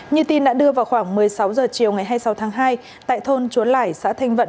như tin đã đưa vào khoảng một mươi sáu h chiều ngày hai mươi sáu tháng hai tại thôn chuốn lải xã thanh vận